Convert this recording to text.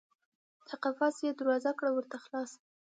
د قفس یې دروازه کړه ورته خلاصه